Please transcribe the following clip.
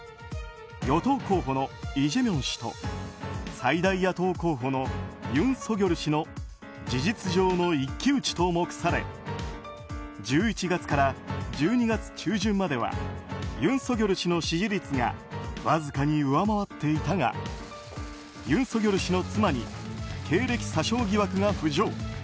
与党候補のイ・ジェミョン氏と最大野党候補のユン・ソギョル氏の事実上の一騎打ちと目され１１月から１２月中旬まではユン・ソギョル氏の支持率がわずかに上回っていたがユン・ソギョル氏の妻に経歴詐称疑惑が浮上。